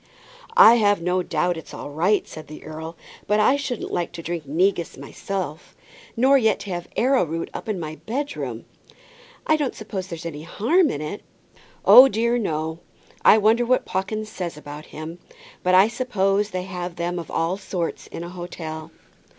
"I've no doubt it's all right," said the earl; "but I shouldn't like to drink negus myself, nor yet to have arrowroot up in my bedroom." "I don't suppose there's any harm in it." "Oh dear, no; I wonder what Pawkins says about him. But I suppose they have them of all sorts in an hotel."